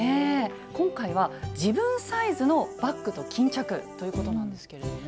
今回は自分サイズのバッグと巾着ということなんですけれども。